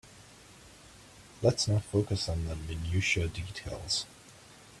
Let's not focus on the Minutiae details.